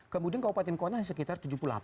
kemudian kabupaten kota sekitar tujuh puluh delapan